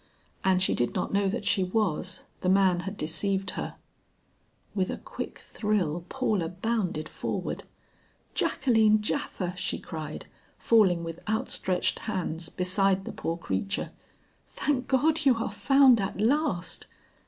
"And she did not know that she was; the man had deceived her." With a quick thrill Paula bounded forward. "Jacqueline Japha," she cried, falling with outstretched hands beside the poor creature; "thank God you are found at last!"